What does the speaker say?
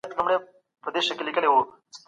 دا ارزونه سخته ده.